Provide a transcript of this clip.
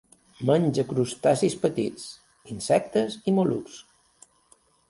Menja crustacis petits, insectes i mol·luscs.